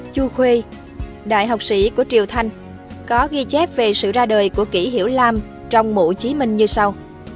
chu khuê đại học sĩ của triều thanh có ghi chép về sự ra đời của kỷ hiểu lam trong mũ chí minh như sau